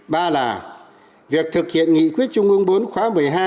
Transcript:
ba là việc thực hiện nghị quyết trung ương bốn khóa một mươi hai